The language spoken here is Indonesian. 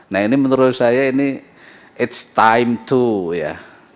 nah ini menurut saya ini it s time to ya